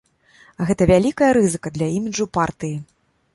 Гэта вялікая рызыка для іміджу партыі.